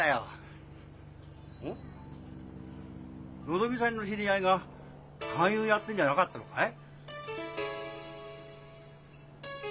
のぞみさんの知り合いが勧誘やってるんじゃなかったのかい？